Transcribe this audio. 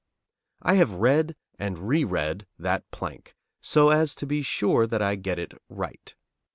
I have read and reread that plank, so as to be sure that I get it right.